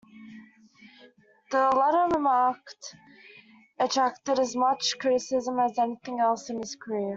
The latter remark attracted as much criticism as anything else in his career.